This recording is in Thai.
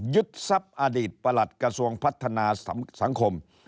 ยึดทรัพย์อดีตประหลัดกระทรวงพัฒนาสังคม